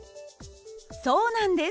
そうなんです。